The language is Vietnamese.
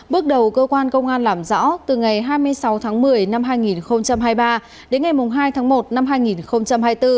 bước đầu cơ quan công an làm rõ từ ngày hai mươi sáu tháng một mươi năm hai nghìn hai mươi ba đến ngày hai tháng một năm hai nghìn hai mươi bốn